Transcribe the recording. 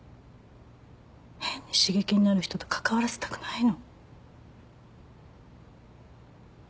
変に刺激になる人と関わらせたくないの。